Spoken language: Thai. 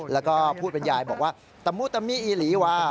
แล้วก็พูดเป็นยายบอกว่าตะมุตะมิอีหลีวา